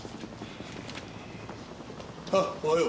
あっおはよう。